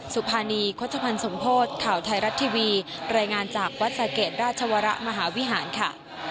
สุภานีโฆษภัณฑ์สมโพธิ์ข่าวไทยรัฐทีวีรายงานจากวัดสะเกดราชวรมหาวิหารค่ะ